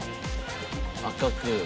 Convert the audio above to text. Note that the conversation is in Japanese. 赤く。